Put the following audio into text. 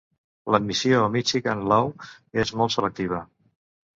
L'admissió a Michigan Law és molt selectiva.